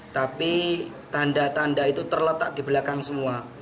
tapi tanda tanda itu terletak di belakang semua